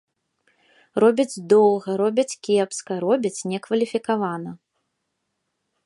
Робяць доўга, робяць кепска, робяць некваліфікавана.